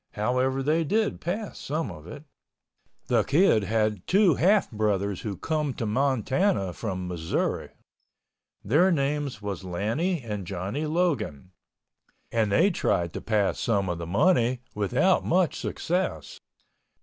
However, they did pass some of it. The Kid had two half brothers who come to Montana from Missouri. Their names was Lannie and Johnny Logan, and they tried to pass some of the money without much success.